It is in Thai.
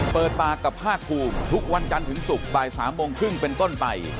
เปิดปากกับภาคภูมิทุกวันจันทร์ถึงศุกร์บ่าย๓โมงครึ่งเป็นต้นไป